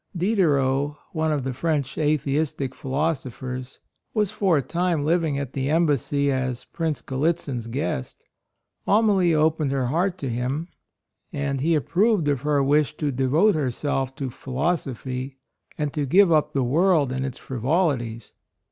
Diderot, one of the French atheistic philosophers, was for a time living at the embassy as Prince Gallitzin's guest. Amalie opened her heart to him, and he approved of her wish to 18 A ROYAL SON devote herself to "philosophy," and to give up the world and its frivolities.